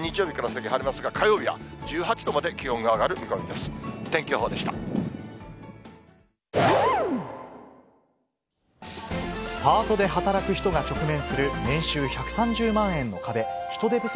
日曜日から先晴れますが、火曜日は１８度まで気温が上がる見込みこんにちはあたけたけのこ２つ！